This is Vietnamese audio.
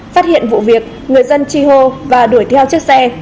phát hiện vụ việc người dân chi hô và đuổi theo chiếc xe